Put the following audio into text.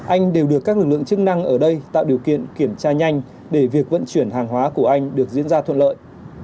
anh đều được các lực lượng chức năng ở đây tạo điều kiện kiểm tra nhanh để việc vận chuyển hàng hóa của anh được diễn ra thuận lợi